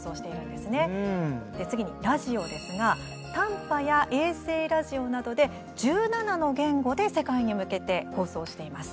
で、次にラジオですが短波や衛星ラジオなどで１７の言語で世界に向けて放送しています。